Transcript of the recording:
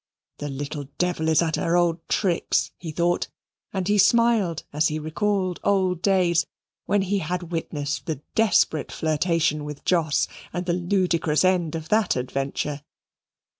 "The little devil is at her old tricks," he thought, and he smiled as he recalled old days, when he had witnessed the desperate flirtation with Jos and the ludicrous end of that adventure.